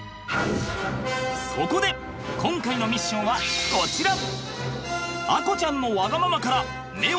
そこで今回のミッションはこちら！